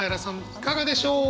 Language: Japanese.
いかがでしょう。